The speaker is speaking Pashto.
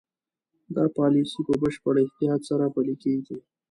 دا پالیسي په بشپړ احتیاط سره پلي کېږي.